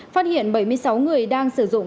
phát hiện bảy mươi sáu người đang sử dụng